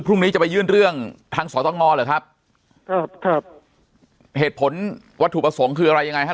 พรุ่งนี้จะไปยื่นเรื่องทางสตงเหรอครับครับเหตุผลวัตถุประสงค์คืออะไรยังไงฮะ